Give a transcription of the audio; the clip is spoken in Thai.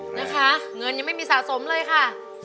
นะคะเงินยังไม่มีสะสมเลยค่ะ